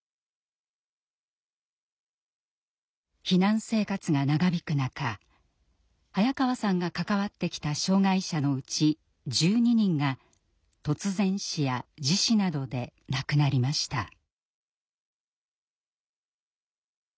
避難生活が長引く中早川さんが関わってきた障害者のうち１２人が突然死や自死などで亡くなりました。